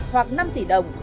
hoặc năm tỷ đồng